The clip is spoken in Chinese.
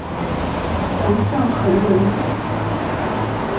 王象恒人。